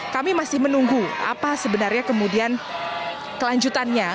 kami masih menunggu apa sebenarnya kemudian kelanjutannya